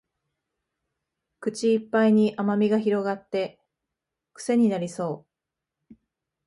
口いっぱいに甘味が広がってクセになりそう